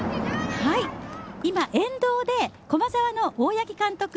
今、沿道で駒澤の大八木監督